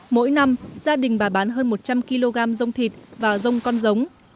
mỗi năm gia đình bà bán hơn một trăm linh kg dông thịt và rông con giống